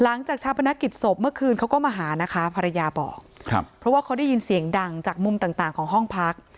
ชาปนกิจศพเมื่อคืนเขาก็มาหานะคะภรรยาบอกครับเพราะว่าเขาได้ยินเสียงดังจากมุมต่างของห้องพัก